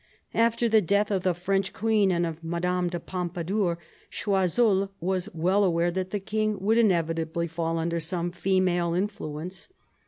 After the death of the French queen and of Madame de Pompadour, Choiseul was well aware that the king would inevitably fall under some female influence.